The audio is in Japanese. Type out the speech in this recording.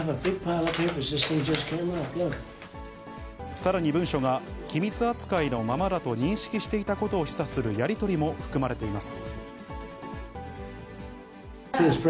さらに文書が機密扱いのままだと認識していたことを示唆するやり取りも含まれています。